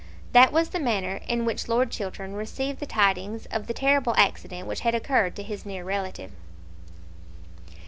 That was the manner in which Lord Chiltern received the tidings of the terrible accident which had occurred to his near relative.